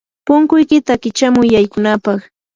punkuykiyta kichamuy yaykunapaq.